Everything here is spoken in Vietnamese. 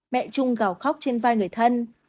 mẹ trung gào khóc trên vai người thân